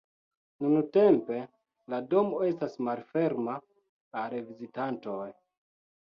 Nuntempe, la domo estas malferma al vizitantoj.